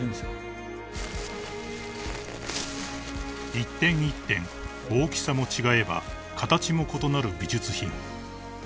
［一点一点大きさも違えば形も異なる美術品］